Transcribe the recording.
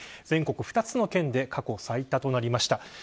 全国２つの県で過去最多となりました。